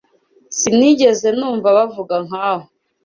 Sinigeze numva bavuga nkawe.